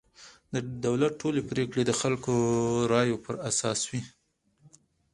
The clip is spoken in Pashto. د دولت ټولې پرېکړې د خلکو رایو پر اساس وي.